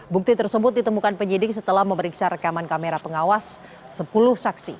bukti tersebut ditemukan penyidik setelah memeriksa rekaman kamera pengawas sepuluh saksi